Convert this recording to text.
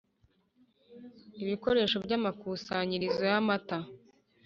Ibikoresho by’ amakusanyirizo y’ amata